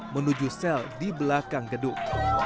menuju sel di belakang gedung